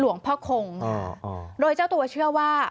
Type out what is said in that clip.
หลวงพ่อคงโดยเจ้าตัวเชื่อว่า